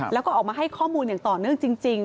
แล้วก็ออกมาให้ข้อมูลอย่างต่อเนื่องจริง